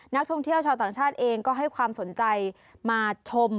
นักท่องเที่ยวชาวต่างชาติเองก็ให้ความสนใจมาชม